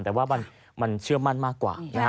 แต่ว่ามันเชื่อมั่นมากกว่านะฮะ